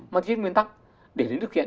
mà thiết nguyên tắc để đến thực hiện